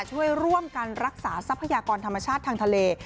ช่วยร่วมกันรักษาทรัพยากรธรรมชาติทางทะเล